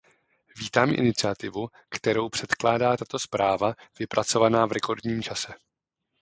Vítám iniciativu, kterou předkládá tato zpráva vypracovaná v rekordním čase.